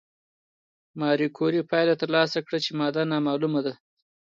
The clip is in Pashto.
ماري کوري پایله ترلاسه کړه چې ماده نامعلومه ده.